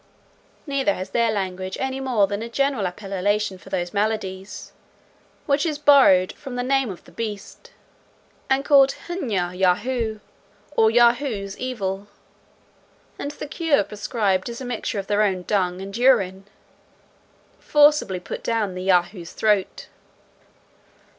Neither has their language any more than a general appellation for those maladies, which is borrowed from the name of the beast, and called hnea yahoo, or Yahoo's evil; and the cure prescribed is a mixture of their own dung and urine, forcibly put down the Yahoo's throat.